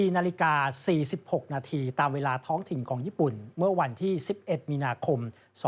๔นาฬิกา๔๖นาทีตามเวลาท้องถิ่นของญี่ปุ่นเมื่อวันที่๑๑มีนาคม๒๕๖